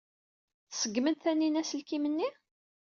Tṣeggem-d Taninna aselkim-nni?